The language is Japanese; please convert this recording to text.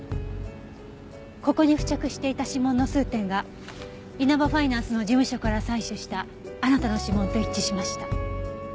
ここに付着していた指紋の数点が稲葉ファイナンスの事務所から採取したあなたの指紋と一致しました。